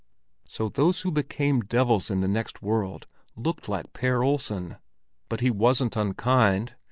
So those who became devils in the next world looked like Per Olsen? But he wasn't unkind!